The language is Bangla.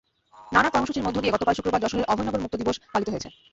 নানা কর্মসূচির মধ্য দিয়ে গতকাল শুক্রবার যশোরের অভয়নগর মুক্ত দিবস পালিত হয়েছে।